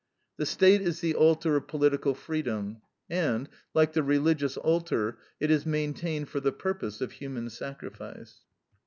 The State is the altar of political freedom and, like the religious altar, it is maintained for the purpose of human sacrifice.